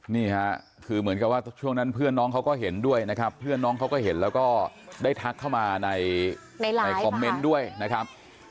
นี่ค่ะคือเหมือนกับว่าช่วงนั้นเพื่อนน้องเขาก็เห็นด้วยนะครับเพื่อนน้องเขาก็เห็นแล้วก็ได้ทักเข้ามาในคอมเมนต์ด้วยนะครับ